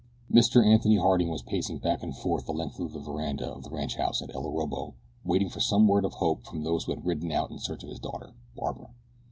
MR. ANTHONY HARDING was pacing back and forth the length of the veranda of the ranchhouse at El Orobo waiting for some word of hope from those who had ridden out in search of his daughter, Barbara.